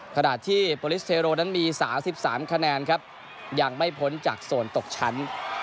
ขณะที่โปรลิสเทโรนั้นมี๓๓คะแนนครับยังไม่พ้นจากโซนตกชั้น